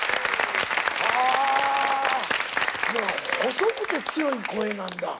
細くて強い声なんだ。